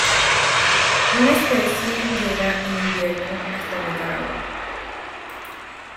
Una especie llega en invierno hasta Nicaragua.